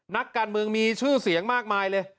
นักการเมืองมีชื่อเสียงมากมายเลย